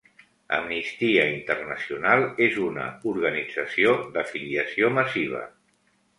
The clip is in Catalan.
Amnistia Internacional és una organització d'afiliació massiva.